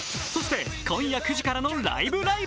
そして、今夜９時からの「ライブ！ライブ！」